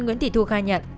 nguyễn thị thu khai nhận